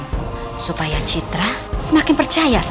tetapi pada saat harf tuntutan kamu